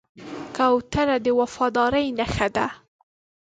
کوتره د وفادارۍ نښه ده.